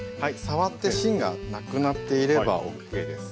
触って芯がなくなっていればＯＫです。